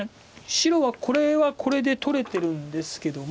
白はこれはこれで取れてるんですけども。